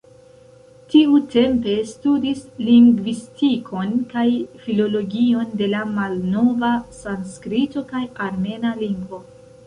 Tiutempe studis lingvistikon kaj filologion de la malnova sanskrito kaj armena lingvo.